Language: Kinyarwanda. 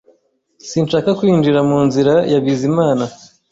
Sinshaka kwinjira mu nzira ya Bizimana